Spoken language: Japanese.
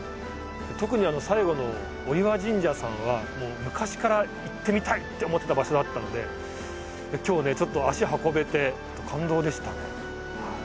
特に最後の御岩神社さんはもう昔から行ってみたいって思ってた場所だったので今日ちょっと足を運べて感動でしたね。